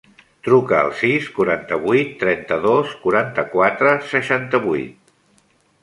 Truca al sis, quaranta-vuit, trenta-dos, quaranta-quatre, seixanta-vuit.